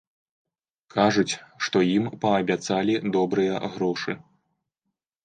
Кажуць, што ім паабяцалі добрыя грошы.